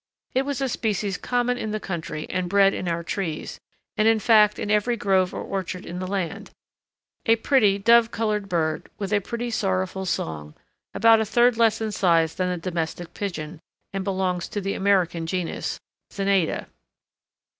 It was a species common in the country and bred in our trees, and in fact in every grove or orchard in the land a pretty dove coloured bird with a pretty sorrowful song, about a third less in size than the domestic pigeon, and belongs to the American genus _Zenaida.